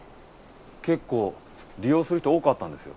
結構利用する人多かったんですよ